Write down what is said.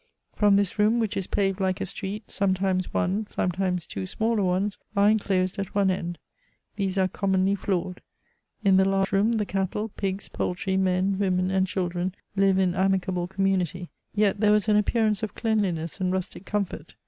From this room, which is paved like a street, sometimes one, sometimes two smaller ones, are enclosed at one end. These are commonly floored. In the large room the cattle, pigs, poultry, men, women, and children, live in amicable community; yet there was an appearance of cleanliness and rustic comfort.